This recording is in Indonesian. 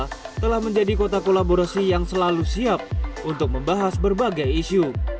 jakarta telah menjadi kota kolaborasi yang selalu siap untuk membahas berbagai isu